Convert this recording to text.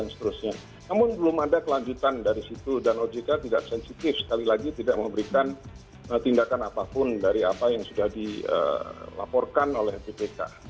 namun belum ada kelanjutan dari situ dan ojk tidak sensitif sekali lagi tidak memberikan tindakan apapun dari apa yang sudah dilaporkan oleh bpk